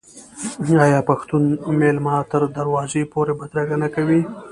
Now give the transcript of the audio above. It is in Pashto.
آیا پښتون میلمه تر دروازې پورې بدرګه نه کوي؟